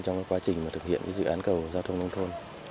trong quá trình thực hiện dự án cầu giao thông nông thôn